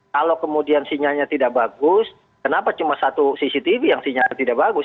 kalau kemudian sinyalnya tidak bagus kenapa cuma satu cctv yang sinyal tidak bagus